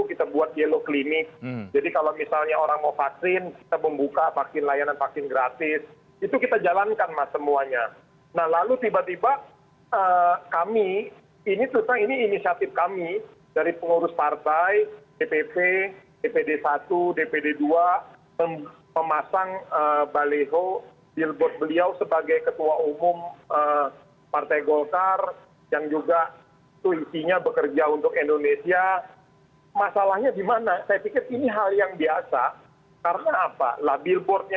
itu tergantung pada situasi dinamis nanti ya